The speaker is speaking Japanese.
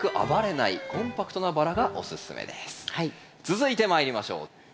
続いてまいりましょう。